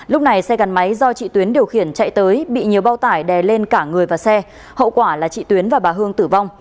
lúc này xe gắn máy do chị tuyến điều khiển chạy tới bị nhiều bao tải đè lên cả người và xe hậu quả là chị tuyến và bà hương tử vong